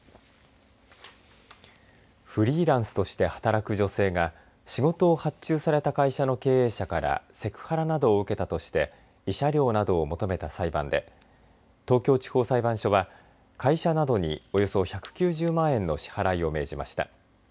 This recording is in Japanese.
フリーランスとして働く女性が仕事を発注された会社の経営者からセクハラなどを受けたとして慰謝料などを求めた裁判で東京地方裁判所は会社などにおよそ１９０万円の支払いを命じました。